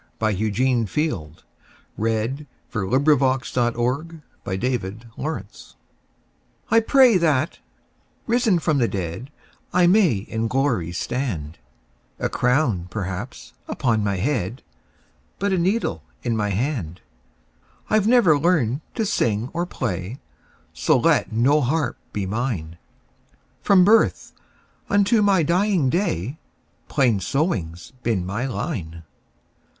1912. Eugene Field 1850–1895 Eugene Field 230 Grandma's Prayer I PRAY that, risen from the dead,I may in glory stand—A crown, perhaps, upon my head, But a needle in my hand.I 've never learned to sing or play, So let no harp be mine; From birth unto my dying day, Plain sewing 's been my line.